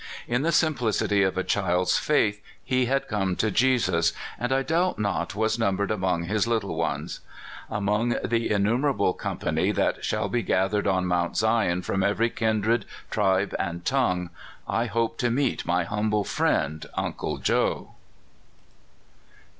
In the simplicity of a child's faith he had come to Jesus, and I doubt not was numbered among his little ones. Among the innumerable company that shall be gathered on Mount Zion from every kindred, tribe, and tongue, I hope to meet my humble friend, Uncle Joe.